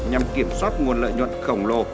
nhằm kiểm soát nguồn lợi nhuận khổng lồ